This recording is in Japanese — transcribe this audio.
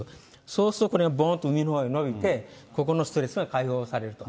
そうすると、これがぼんと上のほうにのびて、ここのストレスが解放されると。